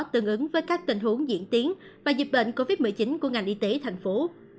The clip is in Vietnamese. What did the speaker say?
tương ứng với các tình huống diễn tiến và dịch bệnh covid một mươi chín của ngành y tế thành phố